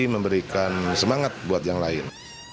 memberikan semangat buat yang lain